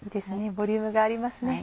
ボリュームがありますね。